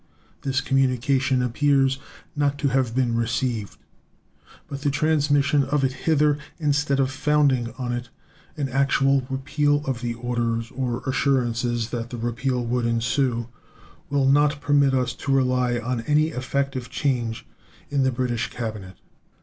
This communication appears not to have been received; but the transmission of it hither, instead of founding on it an actual repeal of the orders or assurances that the repeal would ensue, will not permit us to rely on any effective change in the British cabinet.